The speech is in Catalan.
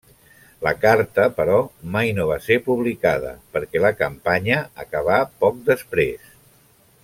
La carta, però, mai no va ser publicada perquè la campanya acabà poc després.